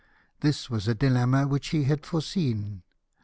This was a dilemma which he had foreseen.